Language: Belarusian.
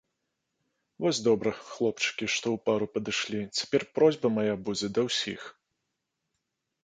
Вось добра, хлопчыкі, што ў пару падышлі, цяпер просьба мая будзе да ўсіх.